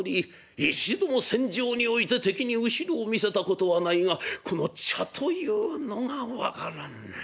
一度も戦場において敵に後ろを見せたことはないがこの茶というのが分からない。